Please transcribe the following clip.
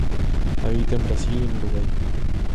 Habita en Brasil y en Uruguay.